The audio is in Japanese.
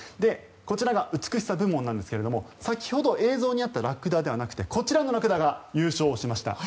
こちらが美しさ部門ですが先ほど映像にあったラクダではなくてこちらのラクダが優勝しました。